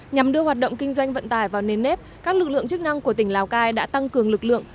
nhằm đưa hoạt động kinh doanh vận tải vào nền nếp các lực lượng chức năng của tỉnh lào cai đã tăng cường lực lượng